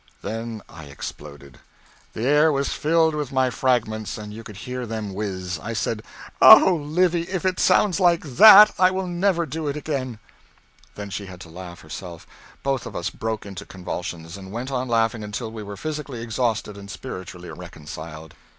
Then I exploded; the air was filled with my fragments, and you could hear them whiz. I said, "Oh Livy, if it sounds like that I will never do it again!" Then she had to laugh herself. Both of us broke into convulsions, and went on laughing until we were physically exhausted and spiritually reconciled.